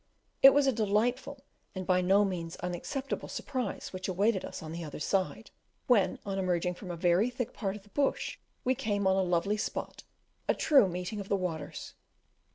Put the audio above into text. It was a delightful, and by no means unacceptable surprise which awaited us on the other side, when, on emerging from a very thick part of the Bush, we came on a lovely spot, a true "meeting of the waters."